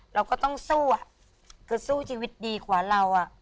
เราก็ต้องสู้อะคือสู้ชีวิตดีกว่าเรา